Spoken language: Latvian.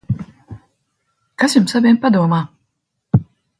Kas jums abiem padomā?